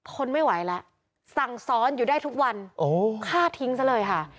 ทนไม่ไหวแล้วสั่งซ้อนอยู่ได้ทุกวันฆ่าทิ้งซะเลยค่ะ